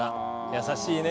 優しいね。